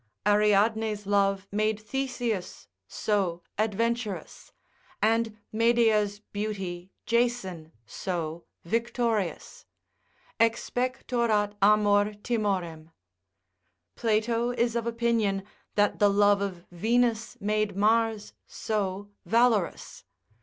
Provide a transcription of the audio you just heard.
Ariadne's love made Theseus so adventurous, and Medea's beauty Jason so victorious; expectorat amor timorem. Plato is of opinion that the love of Venus made Mars so valorous.